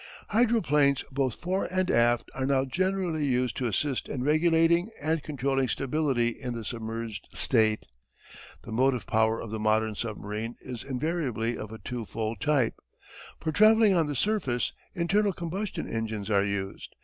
Hydroplanes both fore and aft are now generally used to assist in regulating and controlling stability in the submerged state. The motive power of the modern submarine is invariably of a two fold type. For travelling on the surface internal combustion engines are used.